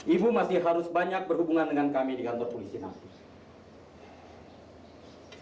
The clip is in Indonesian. ibu masih harus banyak berhubungan dengan kami di kantor polisi